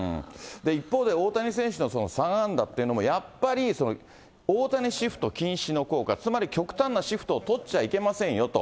一方で大谷選手の３安打っていうのも、やっぱり大谷シフト禁止の効果、つまり極端なシフトを取っちゃいけませんよと。